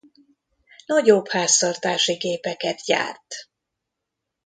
Nagyobb háztartási gépeket gyárt.